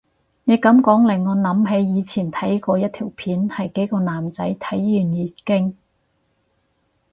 你噉講令我諗起以前睇過一條片係幾個男仔體驗月經